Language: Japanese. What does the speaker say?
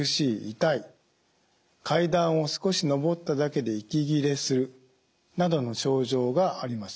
痛い階段を少し上っただけで息切れするなどの症状があります。